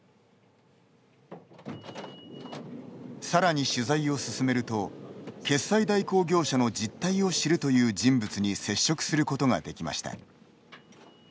さらに取材を進めると決済代行業者の実態を知るという人物に接触することができました。